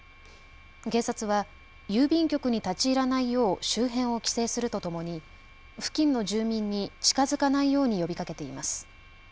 警察は郵便局に立ち入らないよう周辺を規制するとともに付近の住民に近づかないように呼びかけています。